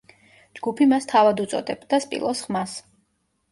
ჯგუფი მას თავად უწოდებდა სპილოს ხმას.